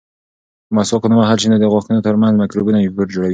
که مسواک ونه وهل شي، نو د غاښونو ترمنځ مکروبونه کور جوړوي.